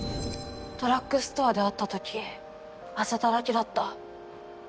ドラッグストアで会った時あざだらけだった。